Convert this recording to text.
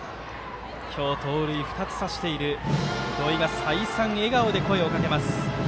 今日、盗塁２つ刺している土井が再三、笑顔で声をかけます。